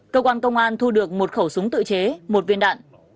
cơ quan công an thu được một khẩu súng tự chế một viên đạn